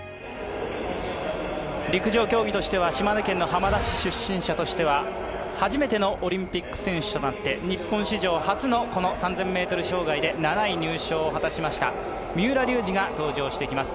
陸上競技としては島根県の浜田市出身者としては初めてのオリンピック選手となって日本史上初の３０００ｍ障害で７位入賞を果たしました三浦龍司が登場してきます